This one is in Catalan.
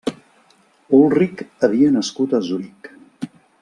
Ulric havia nascut a Zuric.